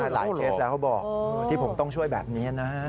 เคสแล้วเขาบอกที่ผมต้องช่วยแบบนี้นะ